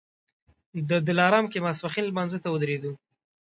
د دلارام کې ماسپښین لمانځه ته ودرېدو.